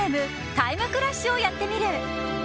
タイムクラッシュをやってみる。